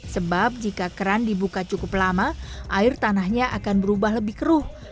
sebab jika keran dibuka cukup lama air tanahnya akan berubah lebih keruh